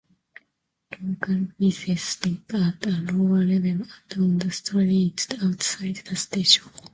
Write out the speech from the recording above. Local buses stop at a lower level and on the streets outside the station.